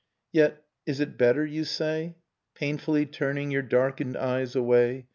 ] Yet, is it better, you say Painfully turning your darkened eyes away.